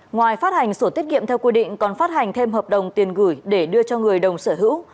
ngoài phát hành sổ tiết kiệm theo quy định còn phát hành thêm hợp đồng tiền gửi để đưa cho người đồng sở hữu